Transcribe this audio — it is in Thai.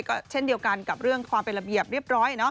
ก็เช่นเดียวกันกับเรื่องความเป็นระเบียบเรียบร้อย